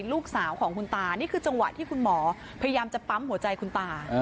ลูกสาวของคุณตานี่คือจังหวะที่คุณหมอพยายามจะปั๊มหัวใจคุณตา